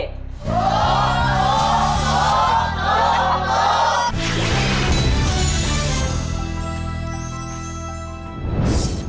โปรดติดตามตอนต่อไป